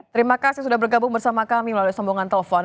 terima kasih sudah bergabung bersama kami melalui sambungan telepon